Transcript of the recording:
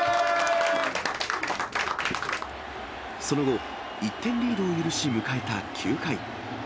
その後、１点リードを許し、迎えた９回。